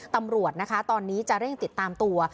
ตำรวจนะคะตอนนี้จะเร่งติดตามตัว